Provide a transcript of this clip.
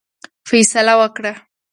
فیصله وکړه.